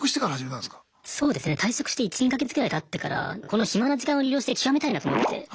そうですね退職して１２か月ぐらいたってからこの暇な時間を利用して極めたいなと思って。